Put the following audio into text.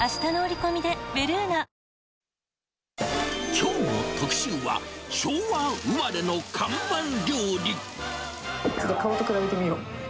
きょうの特集は、昭和生まれちょっと顔と比べてみよう。